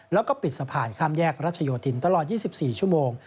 แล้วก็ปิดสะพานข้ามแยกรัชโยธินตลอด๒๔ชั่วโมง